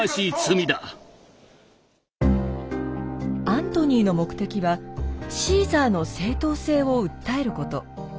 アントニーの目的はシーザーの正当性を訴えること。